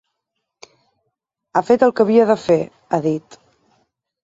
Ha fet el que havia de fer, ha dit.